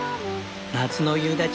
夏の夕立。